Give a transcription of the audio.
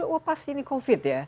wah pas ini covid ya